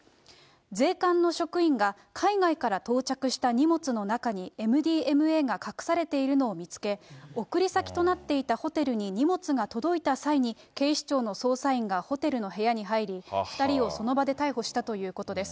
税関の職員が、海外から到着した荷物の中にＭＤＭＡが隠されているのを見つけ、送り先となっていたホテルに荷物が届いた際に警視庁の捜査員がホテルの部屋に入り、２人をその場で逮捕したということです。